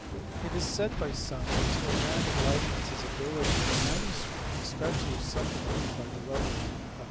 It is said by some that to a man of Leibnitz s ability the manuscript, especially if supplemented by the letter of Dec.